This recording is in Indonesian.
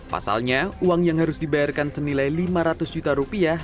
pasalnya uang yang harus dibayarkan senilai lima ratus juta rupiah